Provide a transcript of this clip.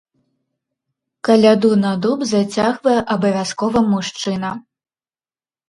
Каляду на дуб зацягвае абавязкова мужчына.